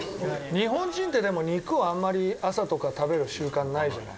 日本人って、肉をあんまり朝とか食べる習慣ないじゃない？